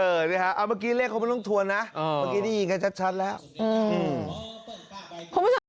เอ่อนี่ฮะเอาเมื่อกี้เลขคงไม่ต้องทวนนะเอ่อเมื่อกี้ได้ยินกันชัดชัดแล้วอืม